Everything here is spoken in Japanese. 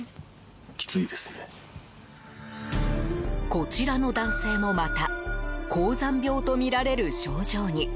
こちらの男性もまた高山病とみられる症状に。